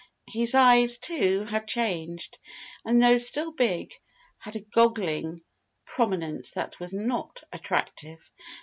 His eyes, too, had changed, and though still big had a goggling prominence that was not attractive.